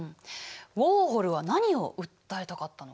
ウォーホルは何を訴えたかったのかな？